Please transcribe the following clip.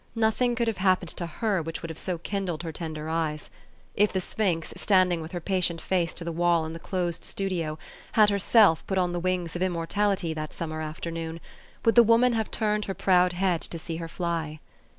Nothing could have happened to her which would have so kindled her tender eyes. If the sphinx, standing with her patient face to the wall in the closed studi >, had herself put on the wings of immortality that summer afternoon, would the woman have turned her proud head to see her fly?